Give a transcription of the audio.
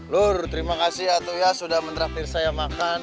lur terima kasih ya atu ya sudah menterafir saya makan